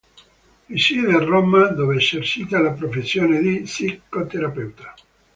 Risiede a Roma dove esercita la professione di psicoterapeuta.